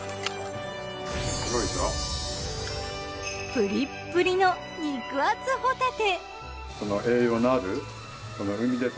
プリップリの肉厚ホタテ。